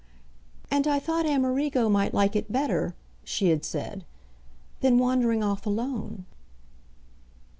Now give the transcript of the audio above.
"And I thought Amerigo might like it better," she had said, "than wandering off alone."